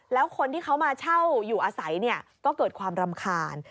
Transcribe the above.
แล้วคนที่เขามาเช่าอยู่อาศัยก็เกิดความรำคาญ